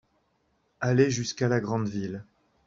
Aller jusqu'à la grande ville.